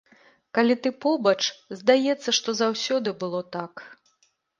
Калі ты побач, здаецца, што гэта заўсёды было так.